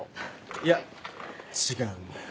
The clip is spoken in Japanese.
いや違うんだよ。